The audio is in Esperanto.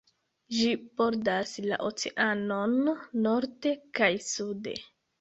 Ĝi bordas la oceanon norde kaj sude.